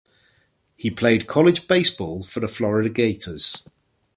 He played college baseball for the Florida Gators.